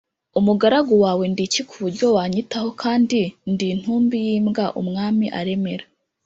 umugaragu wawe ndi iki ku buryo wanyitaho kandi ndi intumbi y imbwa Umwami aremera